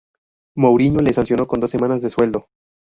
Mourinho le sancionó con dos semanas de sueldo.